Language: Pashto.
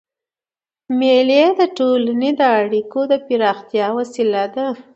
مېلې د ټولني د اړیکو د پراختیا وسیله ده.